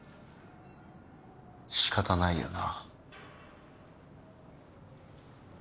仕方ないよな。